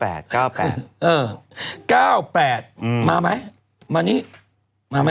เออ๙๘มาไหมมานี่มาไหม